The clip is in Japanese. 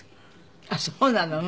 あっそうなの？